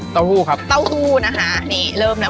หู้ครับเต้าหู้นะคะนี่เริ่มแล้ว